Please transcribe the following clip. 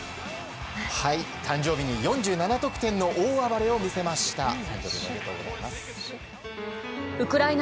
誕生日に４７得点の大暴れを見せました。